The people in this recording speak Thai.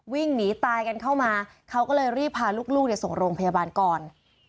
วิ่งหนีตายกันเข้ามาเขาก็เลยรีบพาลูกส่งโรงพยาบาลก่อน